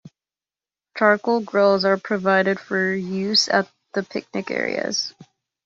Charcoal grills are provided for use at the picnic areas.